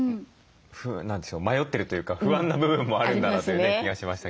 何でしょう迷ってるというか不安な部分もあるんだなという気がしました。